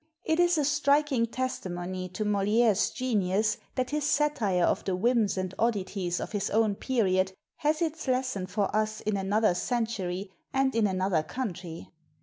It is a striking testimony to Moliere's genius that his satire of the whims and oddities of his own period has its lesson for us in another century and in another country.